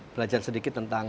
belajar sedikit tentang